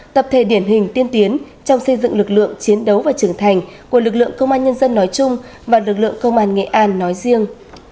tập thể điển hình tiên tiến trong xây dựng lực lượng chiến đấu và trưởng thành của lực lượng công an nhân dân nói chung và lực lượng công an nghệ an nói riêng